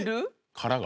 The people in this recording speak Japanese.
殻が？